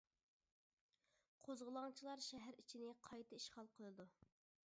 قوزغىلاڭچىلار شەھەر ئىچىنى قايتا ئىشغال قىلىدۇ.